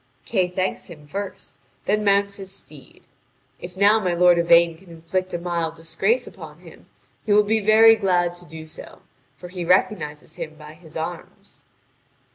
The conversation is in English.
Kay thanks him first, then mounts his steed. If now my lord Yvain can inflict a mild disgrace upon him, he will be very glad to do so; for he recognises him by his arms.